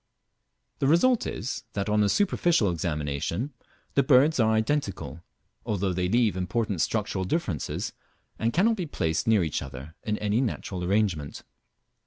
The result is, that on a superficial examination the birds are identical, although they leave important structural differences, and cannot be placed near each other in any natural arrangement.